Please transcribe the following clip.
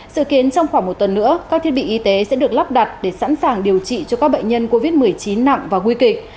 sự kiến trong khoảng một tuần nữa các thiết bị y tế sẽ được lắp đặt để sẵn sàng điều trị cho các bệnh nhân covid một mươi chín nặng và nguy kịch